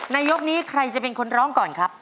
ยกนี้ใครจะเป็นคนร้องก่อนครับ